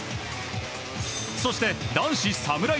そして男子サムライ